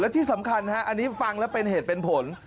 ที่สำคัญฮะอันนี้ฟังแล้วเป็นเหตุเป็นผล